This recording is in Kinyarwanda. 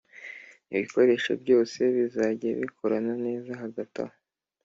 ibikoresho byose bizajya bikorana neza Hagati aho